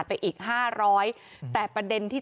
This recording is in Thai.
เจ้าของห้องเช่าโพสต์คลิปนี้